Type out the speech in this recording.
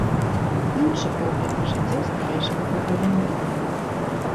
Іншы погляд на жыццё старэйшага пакалення.